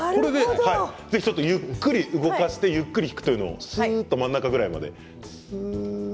ぜひ、ゆっくり動かしてゆっくり引くというのを真ん中ぐらいまで。